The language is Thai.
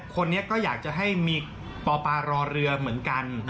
คนนี้ก็อยากจะให้มีปปรอเรือเหมือนกัน